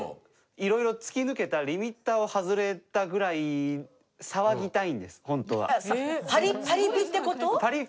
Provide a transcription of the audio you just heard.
いろいろ突き抜けたリミッターを外れたぐらい騒ぎたいんです、ほんとは。